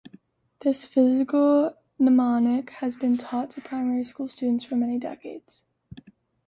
This physical mnemonic has been taught to primary school students for many decades.